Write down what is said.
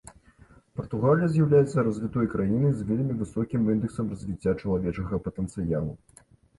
Партугалія з'яўляецца развітой краінай з вельмі высокім індэксам развіцця чалавечага патэнцыялу.